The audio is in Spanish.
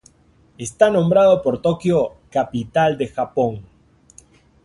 Está nombrado por Tokio, capital del Japón.